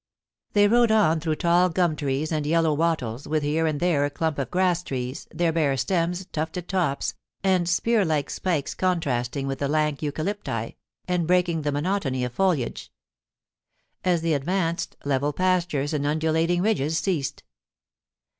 They rode on through tall gum trees and yellow wattles, with here and there a clump of grass trees, their bare stems, tufted tops, and spear like spikes contrasting with the lank eucalypti, and breaking the monotony of foliage. As they advanced, level pastures and undulating ridges ceased.